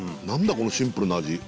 このシンプルな味